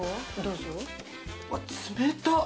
うわっ冷たっ！